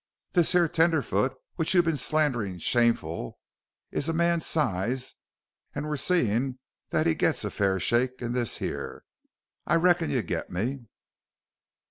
This here tenderfoot which you've been a slanderin' shameful is man's size an' we're seein' that he gits a fair shake in this here. I reckon you git me?"